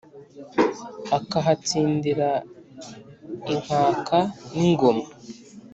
akahatsindira inkaka ni ngoma